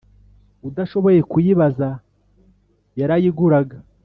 udashoboye kuyibaza yarayiguraga